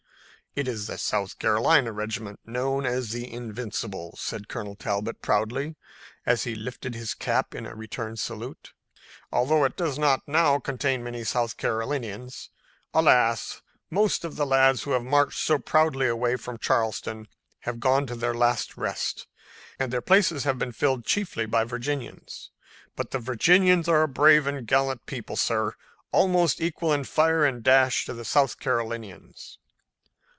"It is the South Carolina regiment known as the Invincibles," said Colonel Talbot proudly, as he lifted his cap in a return salute, "although it does not now contain many South Carolinians. Alas! most of the lads who marched so proudly away from Charleston have gone to their last rest, and their places have been filled chiefly by Virginians. But the Virginians are a brave and gallant people, sir, almost equal in fire and dash to the South Carolinians."